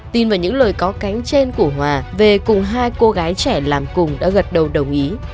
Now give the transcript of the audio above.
tin vào những lời có cánh trên của hòa về cùng hai cô gái trẻ làm cùng đã gật đầu đồng ý